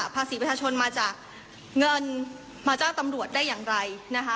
ภาษีประชาชนมาจากเงินมาจ้างตำรวจได้อย่างไรนะคะ